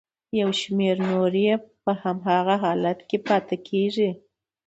یو شمېر نورې یې په هماغه حالت کې پاتې کیږي.